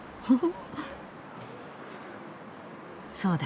そうだ！